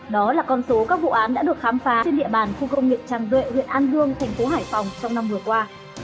đó là con số các vụ án đã được khám phá trên địa bàn khu công nghiệp tràng duệ huyện an dương tp hcm trong năm vừa qua